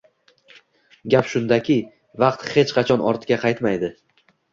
Gap shundaki, vaqt hech qachon ortga qaytmaydi...